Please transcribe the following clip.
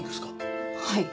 はい。